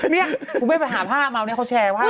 นี่คุณแม่ไปหาภาพมาวันนี้เขาแชร์ภาพกัน